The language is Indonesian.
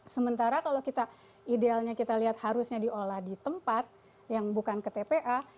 sementara kalau kita idealnya kita lihat harusnya diolah di tempat yang bukan ke tpa